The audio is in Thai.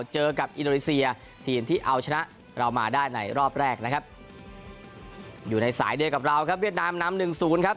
เจอกับอินโดนีเซียทีมที่เอาชนะเรามาได้ในรอบแรกนะครับอยู่ในสายเดียวกับเราครับเวียดนามนำหนึ่งศูนย์ครับ